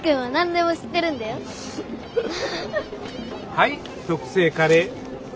はい特製カレー。